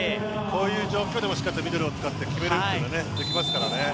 こういう状況でもしっかりとミドルを使って決めるというのができますからね。